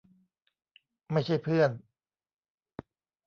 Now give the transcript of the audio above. ไม่ใช่เพื่อน